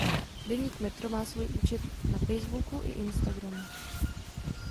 Deník Metro má svůj účet na Facebooku i Instagramu.